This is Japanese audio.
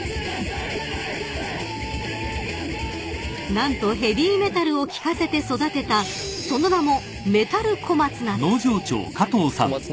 ［何とヘビーメタルを聞かせて育てたその名も］